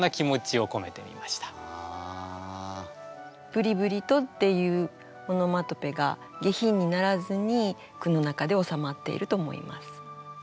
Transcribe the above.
「ブリブリと」っていうオノマトペが下品にならずに句の中でおさまっていると思います。